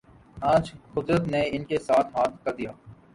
آج قدرت نے ان کے ساتھ ہاتھ کر دیا۔